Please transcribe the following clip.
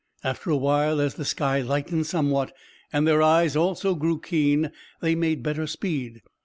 After a while, as the sky lightened somewhat and their eyes also grew keen, they made better speed.